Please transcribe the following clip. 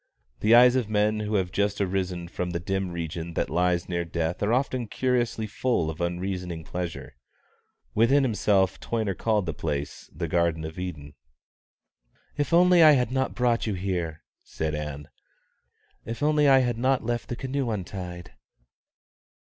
The eyes of men who have just arisen from the dim region that lies near death are often curiously full of unreasoning pleasure. Within himself Toyner called the place the Garden of Eden. "If only I had not brought you here!" said Ann. "If only I had not left the canoe untied!"